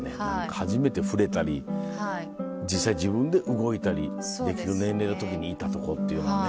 初めて触れたり実際自分で動いたりできる年齢の時にいたとこっていうのはね。